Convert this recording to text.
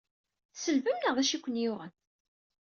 Tselbem neɣ d acu ay ken-yuɣen?